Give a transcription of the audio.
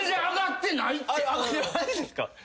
上がってないですか？